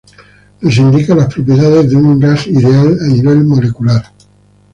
Nos indica las propiedades de un gas ideal a nivel molecular.